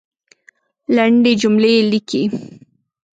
لندي جملې لیکئ !